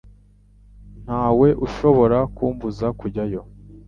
Ntawe ushobora kumbuza kujyayo.